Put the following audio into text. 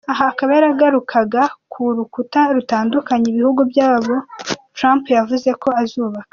Aha akaba yagarukaga ku rukuta rutandukanya ibihugu byabo Trump yavuze ko azubaka.